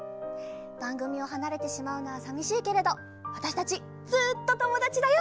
ばんぐみをはなれてしまうのはさみしいけれどわたしたちずっとともだちだよ。